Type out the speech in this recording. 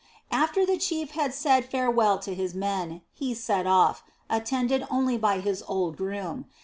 After the chief had said farewell to his men, he set off, attended only by his old groom.